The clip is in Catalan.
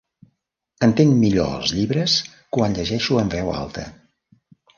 Entenc millor els llibres quan llegeixo en veu alta.